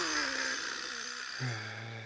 へえ。